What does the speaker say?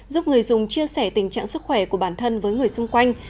giúp người dùng chia sẻ tình trạng sức khỏe của bản thân với người xung quanh